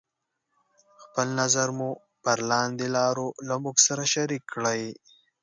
خپل نظر مو پر لاندې لارو له موږ سره شريکې کړئ: